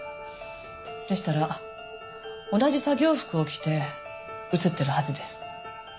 でしたら同じ作業服を着て映ってるはずです。